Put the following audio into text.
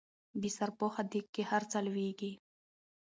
په بې سرپوښه ديګ کې هر څه لوېږي